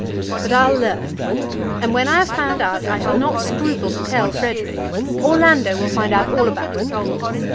But I'll learn. And when I have found out, I shall not scruple to tell Frederic. Orlando will find out all about it."